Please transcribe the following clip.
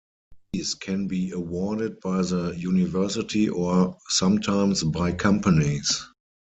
These can be awarded by the university or, sometimes, by companies.